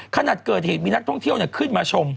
ขณะเกิดเหตุมีนักท่องเที่ยวขึ้นมาชม